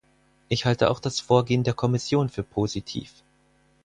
Ich halte auch das Vorgehen der Kommission für positiv.